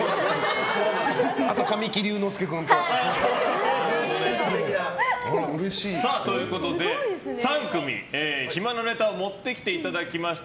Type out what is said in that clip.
あと神木隆之介君と。ということで、３組暇なネタを持ってきていただきました。